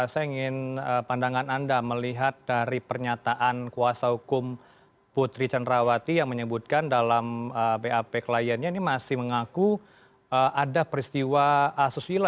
saya ingin pandangan anda melihat dari pernyataan kuasa hukum putri cenrawati yang menyebutkan dalam bap kliennya ini masih mengaku ada peristiwa asusila